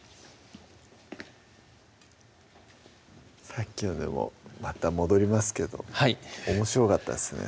さっきのでもまた戻りますけどはいおもしろかったですね